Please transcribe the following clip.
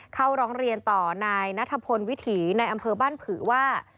เข้าร้องเรียนต่อนายนัทพลวิถีในอำเภอบ้านผือว่า